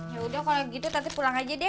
ya udah kalau gitu nanti pulang aja deh